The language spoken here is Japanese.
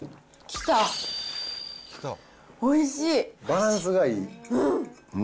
バランスがいい。